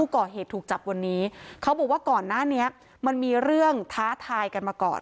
ก่อเหตุถูกจับวันนี้เขาบอกว่าก่อนหน้านี้มันมีเรื่องท้าทายกันมาก่อน